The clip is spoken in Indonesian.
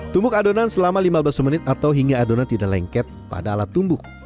tumbuk adonan selama lima belas menit atau hingga adonan tidak lengket pada alat tumbuk